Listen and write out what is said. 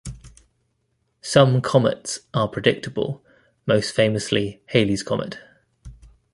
Some comets are predictable, most famously Halley's Comet.